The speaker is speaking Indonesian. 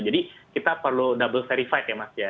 jadi kita perlu double verified ya mas ya